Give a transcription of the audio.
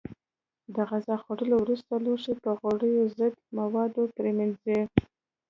د غذا خوړلو وروسته لوښي په غوړیو ضد موادو پرېمنځئ.